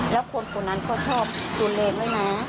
แล้วคนนั้นก็ชอบตูเล็งด้วยนะ